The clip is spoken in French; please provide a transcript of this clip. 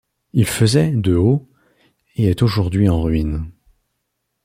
Il faisait de haut et est aujourd'hui en ruines.